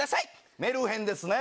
メルヘンですね。